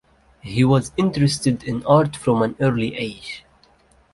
He was interested in art from an early age.